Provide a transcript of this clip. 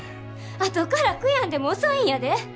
あとから悔やんでも遅いんやで。